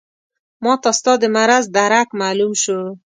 ماته ستا د مرض درک معلوم شو.